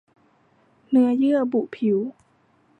เนื้อเยื่อบุผิว